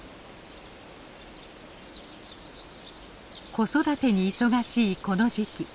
子育てに忙しいこの時期。